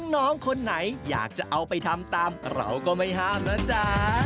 น้องคนไหนอยากจะเอาไปทำตามเราก็ไม่ห้ามนะจ๊ะ